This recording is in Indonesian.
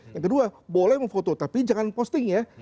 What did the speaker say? yang kedua boleh memfoto tapi jangan posting ya